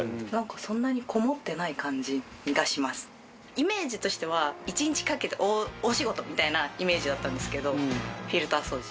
イメージとしては１日かけた大仕事みたいなイメージだったんですけどフィルター掃除。